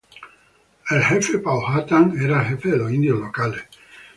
El jefe Powhatan era el jefe de los indios locales.